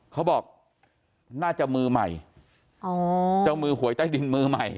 เขาบอกน่าจะมือใหม่อ๋อเจ้ามือหวยใต้ดินมือใหม่